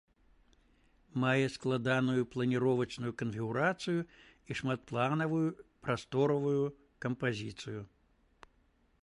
Мае складаную планіровачную канфігурацыю і шматпланавую прасторавую кампазіцыю.